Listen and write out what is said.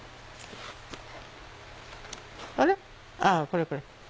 あこれこれ。